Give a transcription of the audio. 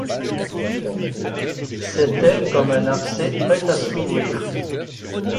C’était comme un abcès prêt à s’ouvrir.